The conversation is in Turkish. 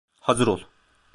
Hazır ol.